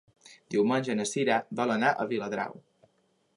Diumenge na Sira vol anar a Viladrau.